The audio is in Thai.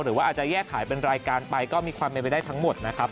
หรือว่าอาจจะแยกขายเป็นรายการไปก็มีความเป็นไปได้ทั้งหมดนะครับ